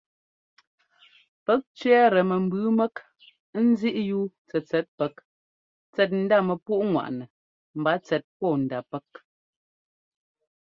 Pɛ́k tsẅɛ́ɛtɛ mɛmbʉʉ mɛ́k ńzíꞌyúu tsɛtsɛt pɛ́k tsɛt ndá mɛpúꞌŋwaꞌnɛ mba tsɛt pɔ́ɔndá pɛ́k.